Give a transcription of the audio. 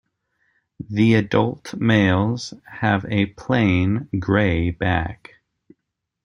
The adult males have a plain grey back.